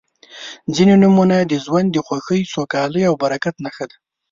•ځینې نومونه د ژوند د خوښۍ، سوکالۍ او برکت نښه ده.